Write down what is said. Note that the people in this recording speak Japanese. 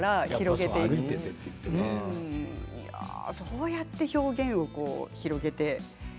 そうやって表現を広げて。